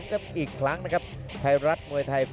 พักแป๊บกันและพบฝ่าวันมัย